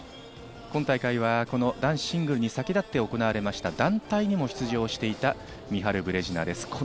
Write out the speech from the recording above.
今大会は男子シングルに先立って行われた団体にも出場していたミハル・ブレジナです。